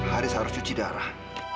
haris harus cuci darah